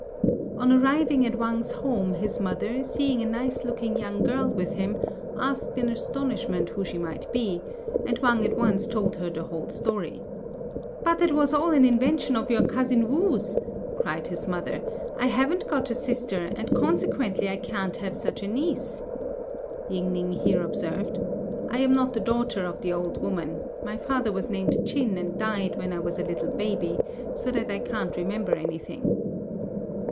On arriving at Wang's home, his mother, seeing a nice looking young girl with him, asked in astonishment who she might be; and Wang at once told her the whole story. "But that was all an invention of your cousin Wu's," cried his mother; "I haven't got a sister, and consequently I can't have such a niece." Ying ning here observed, "I am not the daughter of the old woman; my father was named Ch'in and died when I was a little baby, so that I can't remember anything."